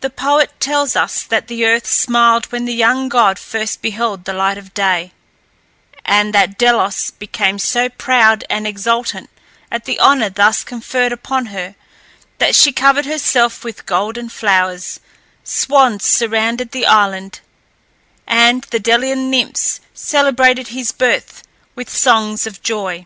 The poets tell us that the earth smiled when the young god first beheld the light of day, and that Delos became so proud and exultant at the honour thus conferred upon her, that she covered herself with golden flowers; swans surrounded the island, and the Delian nymphs celebrated his birth with songs of joy.